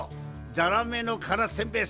ザラメのカラスせんべい